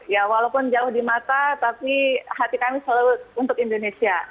ya walaupun jauh di mata tapi hati kami selalu untuk indonesia